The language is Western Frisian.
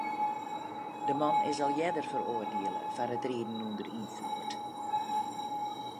De man is al earder feroardiele foar it riden ûnder ynfloed.